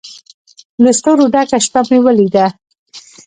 له ستورو ډکه شپه مې ولیده